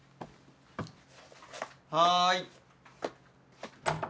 はい。